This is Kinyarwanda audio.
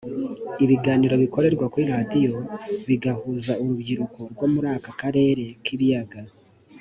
ibiganiro bikorerwa kuri radiyo bigahuza urubyiruko rwo muri aka karere k ibiyaga